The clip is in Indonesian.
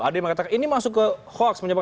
ada yang mengatakan ini masuk ke hoax